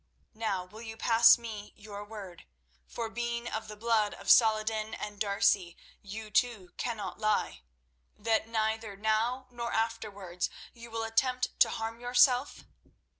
Now will you pass me your word—for being of the blood of Salah ed din and D'Arcy, you, too, cannot lie—that neither now nor afterwards you will attempt to harm yourself?